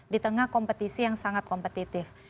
di tengah kompetisi yang sangat kompetitif